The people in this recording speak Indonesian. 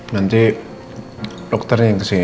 nanti dokternya yang kesini